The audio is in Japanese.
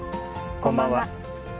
こんばんは。